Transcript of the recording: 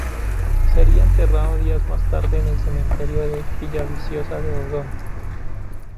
Sería enterrado días más tarde en el cementerio de Villaviciosa de Odón.